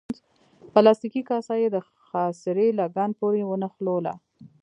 پلاستیکي کاسه یې د خاصرې لګن پورې ونښلوله.